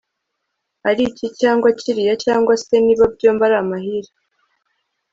ari iki cyangwa kiriya, cyangwa se niba byombi ari mahire